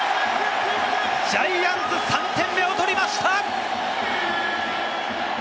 ジャイアンツ、３点目を取りました！